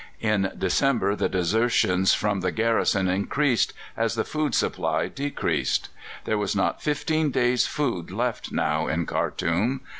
In December the desertions from the garrison increased, as the food supply decreased. There was not fifteen days' food left now in Khartoum.